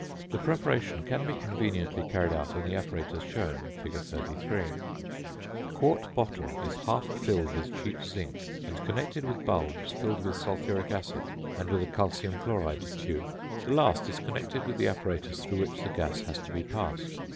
The preparation can be conveniently carried out in the apparatus shown (fig. 33). A quart bottle is half filled with sheet zinc, and connected with bulbs filled with sulphuric acid, and with a calcium chloride tube. The last is connected with the apparatus through which the gas has to be passed.